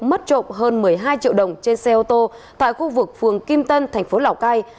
mất trộm hơn một mươi hai triệu đồng trên xe ô tô tại khu vực phường kim tân thành phố lào cai